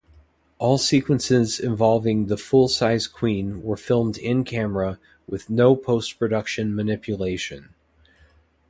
All sequences involving the full size queen were filmed in-camera with no post-production manipulation.